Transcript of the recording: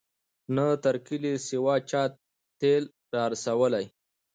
نه تر کلي سوای چا تېل را رسولای